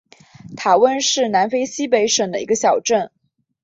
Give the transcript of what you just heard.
塔翁是南非西北省的一个小镇。